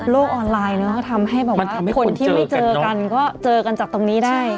ออนไลน์เนอะก็ทำให้แบบว่าคนที่ไม่เจอกันก็เจอกันจากตรงนี้ได้